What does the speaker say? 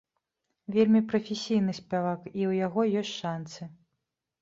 Вельмі прафесійны спявак, і ў яго ёсць шанцы.